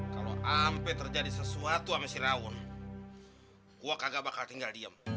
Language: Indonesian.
kalau sampai terjadi sesuatu sama si rawon gua kagak bakal tinggal diem